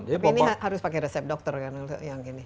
tapi ini harus pakai resep dokter kan yang ini